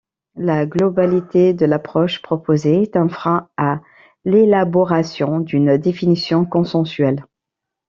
La globalité de l’approche proposée est un frein à l’élaboration d’une définition consensuelle.